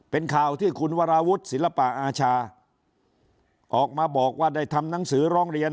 เป็นข่าวที่คุณวราวุฒิศิลปะอาชาออกมาบอกว่าได้ทำหนังสือร้องเรียน